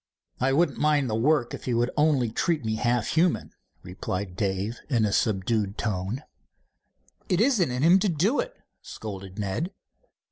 "I wouldn't mind the work if he would only treat me half human," replied Dave in a subdued tone. "It isn't in him to do it," scolded Ned.